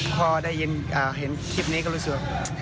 พอได้ยินเห็นคลิปนี้ก็รู้สึก